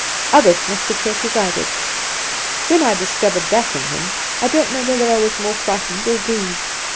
Others must have felt as I did. When I discovered that in him, I don't know whether I was more frightened or grieved.